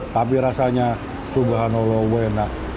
tapi rasanya subhanallah enak